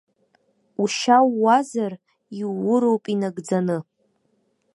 Ушьа ууазар, иууроуп инагӡаны.